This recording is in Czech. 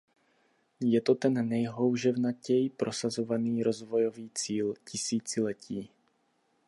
Je to ten nejhouževnatěji prosazovaný rozvojový cíl tisíciletí.